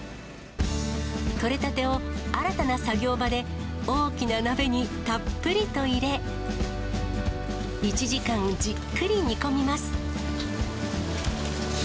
取れたてを新たな作業場で大きな鍋にたっぷりと入れ、１時間じっくり煮込みます。